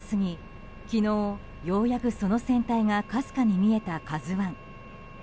沈没から１か月が過ぎ昨日、ようやくその船体がかすかに見えた「ＫＡＺＵ１」。